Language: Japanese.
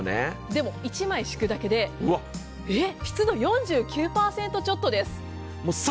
でも、１枚敷くだけで、えっ、湿度４９％ちょっとです。